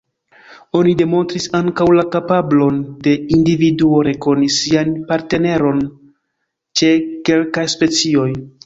Oni demonstris ankaŭ la kapablon de individuo rekoni sian partneron ĉe kelkaj specioj.